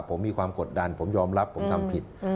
ผมมีความกดดันผมยอมรับผมทำผิด